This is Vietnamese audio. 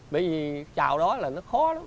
bởi vì trào đó là nó khó lắm